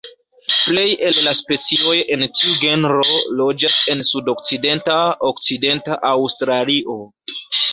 Plej el la specioj en tiu genro loĝas en sudokcidenta Okcidenta Aŭstralio.